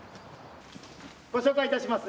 ご紹介いたします。